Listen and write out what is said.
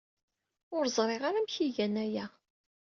Ur ẓriɣ ara amek ay gan aya.